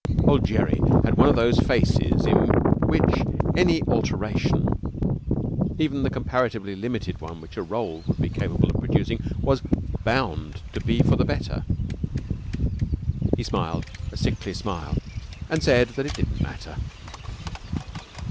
Old Gerry had one of those faces in which any alteration, even the comparatively limited one which a roll would be capable of producing, was bound to be for the better. He smiled a sickly smile and said that it didn't matter.